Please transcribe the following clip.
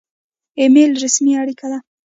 ایمیل رسمي اړیکه ده